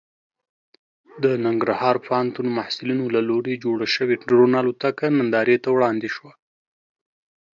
د ننګرهار پوهنتون محصلینو له لوري جوړه شوې ډرون الوتکه نندارې ته وړاندې شوه.